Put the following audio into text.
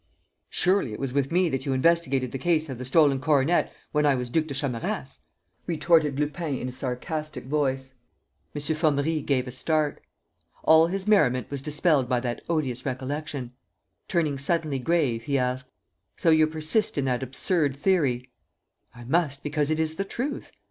..." "Surely it was with me that you investigated the case of the stolen coronet when I was Duc de Chamerace," retorted Lupin, in a sarcastic voice. [Footnote 8: See Arsène Lupin by Edgar Jepson and Maurice Leblanc.] M. Formerie gave a start. All his merriment was dispelled by that odious recollection. Turning suddenly grave, he asked: "So you persist in that absurd theory?" "I must, because it is the truth.